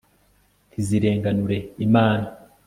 ntizirenganure imana